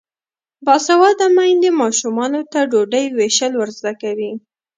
باسواده میندې ماشومانو ته ډوډۍ ویشل ور زده کوي.